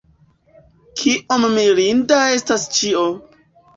Kiom mirinda estas ĉio!